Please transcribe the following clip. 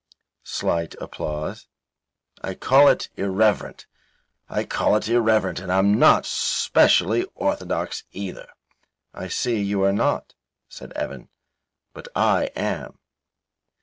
(Slight applause.) I call it irreverent. I call it irreverent, and I'm not specially orthodox either." "I see you are not," said Evan, "but I am."